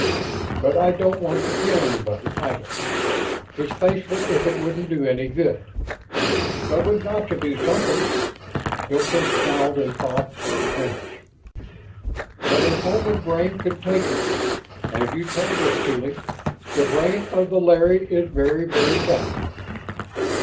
But I don't want to kill anybody, either ... especially if it wouldn't do any good. But we've got to do something!" Hilton scowled in thought for minutes. "But an Oman brain could take it. As you told us, Tuly, 'The brain of the Larry is very, very tough.'"